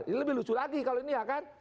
ini lebih lucu lagi kalau ini ya kan